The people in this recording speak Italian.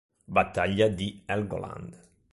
Battaglia di Helgoland